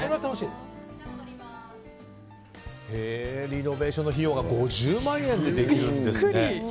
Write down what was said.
リノベーションの費用が５０万円でできるんですね。